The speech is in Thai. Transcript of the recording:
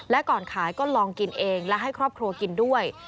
และก่อนขายก็ลองกินเองและให้ครอบครัวกินด้วย